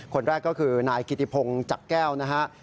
คนแรกก็คือนายกิติพงศ์จักรแก้วนะฮะ